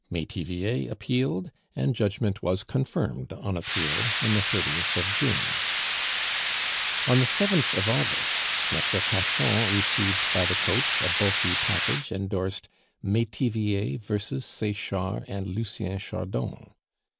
Metivier appealed, and judgment was confirmed on appeal on the 30th of June. On the 7th of August, Maitre Cachan received by the coach a bulky package endorsed, "Metivier versus Sechard and Lucien Chardon."